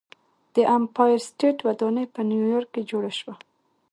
د ایمپایر سټیټ ودانۍ په نیویارک کې جوړه شوه.